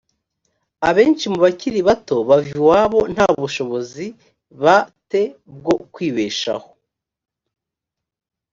abenshi mu bakiri bato bava iwabo nta bushobozi ba te bwo kwibeshaho